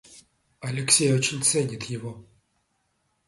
Алексей очень ценит его.